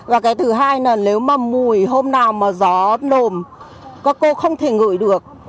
và cái thứ hai là nếu mà mùi hôm nào mà gió lồm các cô không thể ngửi được